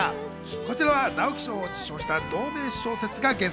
こちらは直木賞を受賞した同名小説が原作。